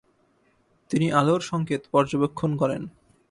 তিনি আলোর সংকেত পর্যবেক্ষণ করেন।